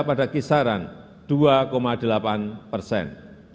pada kisaran dua delapan persen